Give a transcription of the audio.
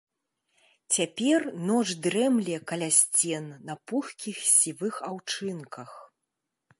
Цяпер ноч дрэмле каля сцен на пухкіх сівых аўчынках.